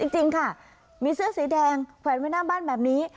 จริงค่ะมีเสื้อสีแดงแขวนไว้หน้าบ้านแบบนี้